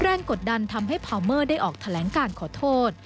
กดดันทำให้พาวเมอร์ได้ออกแถลงการขอโทษ